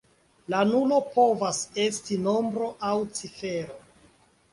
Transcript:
La nulo povas esti nombro aŭ cifero.